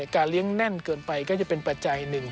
การเลี้ยงแน่นเกินไปก็จะเป็นปัจจัยหนึ่ง